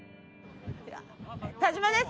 田島です。